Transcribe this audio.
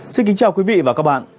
xin kính chào quý vị và các bạn